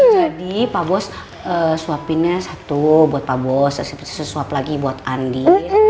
jadi pak bos suapinnya satu buat pak bos seterusnya suap lagi buat andien